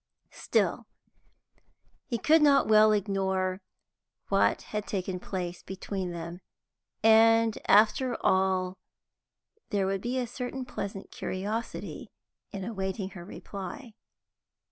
Still, he could not well ignore what had taken place between them, and, after all, there would be a certain pleasant curiosity in awaiting her reply.